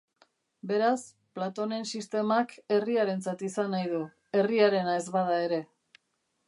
Beraz, Platonen sistemak herriarentzat izan nahi du, herriarena ez bada ere.